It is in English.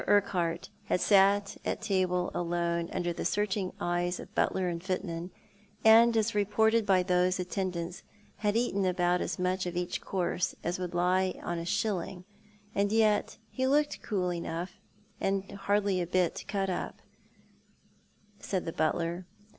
Drquhart had sat at table alone under the searching eyes of butler and footmen, and, as reported by those attendants, had eaten about as much of each course as would lie on a shilling, and yet he looked cool enough, and hardly a bit ciat up, said the butler.